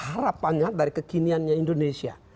harapannya dari kekiniannya indonesia